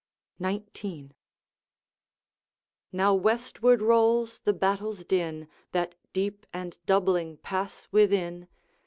XIX. 'Now westward rolls the battle's din, That deep and doubling pass within.